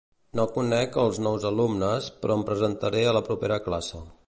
No conec els nous alumnes però em presentaré a la propera classe.